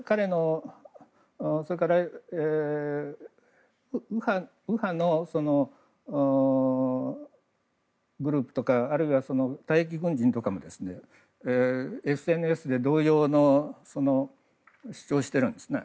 それから右派のグループとかあるいは退役軍人とかもＳＮＳで同様の主張をしているんですね。